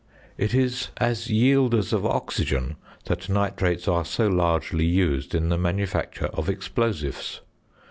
It is as yielders of oxygen that nitrates are so largely used in the manufacture of explosives.